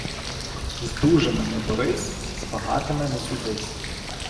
З дужими не борись, з богатими не судись.